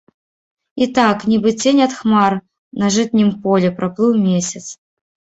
І так, нібы цень ад хмар на жытнім полі, праплыў месяц.